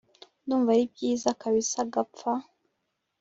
ndumva aribyiza kabsa gapfa